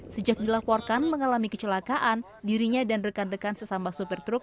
sejak dilaporkan mengalami kecelakaan dirinya dan rekan rekan sesama sopir truk